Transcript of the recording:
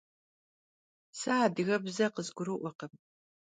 Se adıgebze khızgurı'uerkhım.